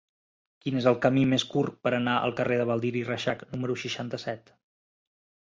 Quin és el camí més curt per anar al carrer de Baldiri Reixac número seixanta-set?